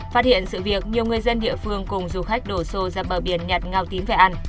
phát hiện sự việc nhiều người dân địa phương cùng du khách đổ xô ra bờ biển nhặt ngao tím về ăn